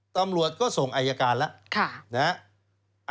ตำรวจก็ส่งไอยการแล้วนะฮะ